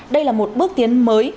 đây là một bước tiến mới